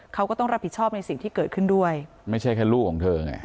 เขาก็ต้องรับผิดชอบในสิ่งที่เกิดขึ้นด้วยไม่ใช่แค่ลูกของเธอไง